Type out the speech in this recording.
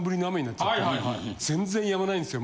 全然やまないんですよ